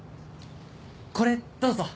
これどうぞ。